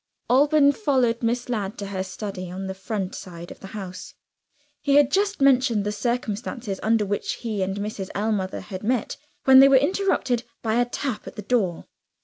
Alban followed Miss Ladd to her study, on the front side of the house. He had just mentioned the circumstances under which he and Mrs. Ellmother had met, when they were interrupted by a tap at the door.